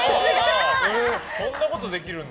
そんなことできるんだ。